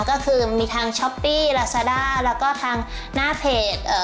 ก็คือมีทางช้อปปี้ลาซาด้าแล้วก็ทางหน้าเพจเอ่อ